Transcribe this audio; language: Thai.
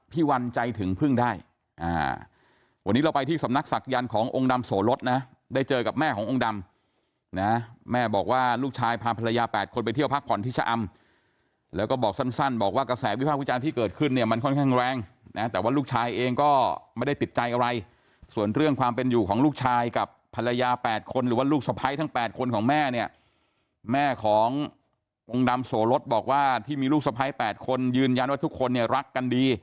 พี่วันใจถึงพึ่งได้วันนี้เราไปที่สำนักศักยรณ์ขององค์ดำโสรสนะได้เจอกับแม่ขององค์ดำนะแม่บอกว่าลูกชายพาภรรยา๘คนไปเที่ยวพักผ่อนทิชย์อำแล้วก็บอกสั้นบอกว่ากระแสวิภาควิจารณ์ที่เกิดขึ้นเนี่ยมันค่อนข้างแรงนะแต่ว่าลูกชายเองก็ไม่ได้ติดใจอะไรส่วนเรื่องความเป็นอยู่ของลูกชายกับภรรยา